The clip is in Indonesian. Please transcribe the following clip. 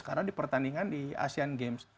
karena di pertandingan di asean games